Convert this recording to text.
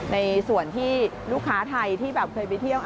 ในส่วนที่ลูกค้าไทยที่แบบเคยไปเที่ยว